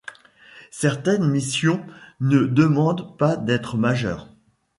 Certaines missions ne demandent pas d’être majeur.